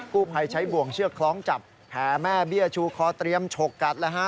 ผู้ภัยใช้บ่วงเชือกคล้องจับแผลแม่เบี้ยชูคอเตรียมฉกกัดแล้วฮะ